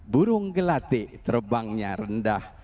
burung gelatik terbangnya rendah